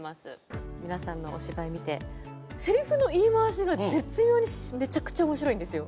皆さんのお芝居見てせりふの言い回しが絶妙にめちゃくちゃ面白いんですよ。